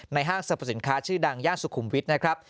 ห้างสรรพสินค้าชื่อดังย่านสุขุมวิทย์นะครับ